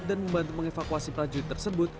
dan membantu mengevakuasi prajurit tersebut